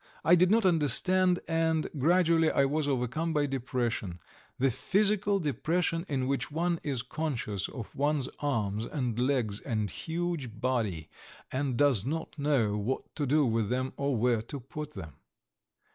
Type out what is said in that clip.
I did not understand, and gradually I was overcome by depression the physical depression in which one is conscious of one's arms and legs and huge body, and does not know what to do with them or where to put them.